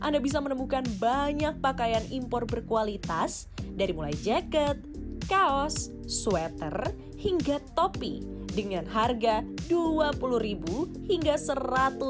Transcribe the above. dan menemukan banyak pakaian impor berkualitas dari mulai jaket kaos sweater hingga topi dengan harga rp dua puluh hingga rp seratus